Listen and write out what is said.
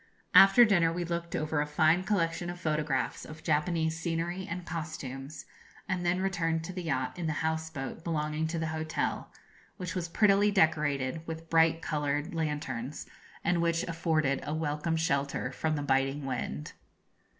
After dinner we looked over a fine collection of photographs of Japanese scenery and costumes, and then returned to the yacht in the house boat belonging to the hotel, which was prettily decorated with bright coloured lanterns, and which afforded welcome shelter from the biting wind.